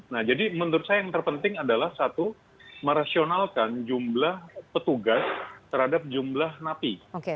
nah jadi menurut saya yang terpenting adalah satu merasionalkan jumlah petugas terhadap jumlah napi